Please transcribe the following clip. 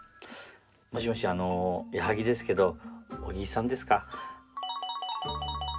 もしもしあの矢作ですけど小木さんですか？